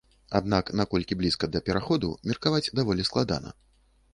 Аднак наколькі блізка да пераходу меркаваць даволі складана.